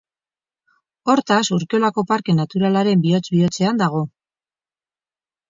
Hortaz, Urkiolako Parke Naturalaren bihotz-bihotzean dago.